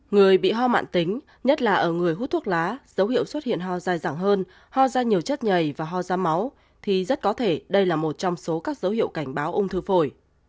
người bị hoa mạn tính nhất là ở người hút thuốc lá dấu hiệu xuất hiện hoa dài dẳng hơn hoa da nhiều chất nhầy và hoa da máu thì rất có thể đây là một trong số các dấu hiệu cảnh báo ung thư phổi